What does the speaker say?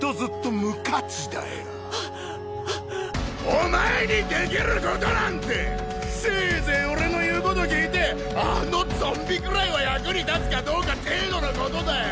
お前にできることなんてせいぜい俺の言うこと聞いてあのゾンビくらいは役に立つかどうか程度のことだよ。